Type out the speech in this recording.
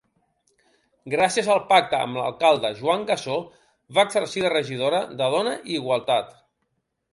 Gràcies al pacte amb l'alcalde Joan Gassó va exercir de regidora de Dona i igualtat.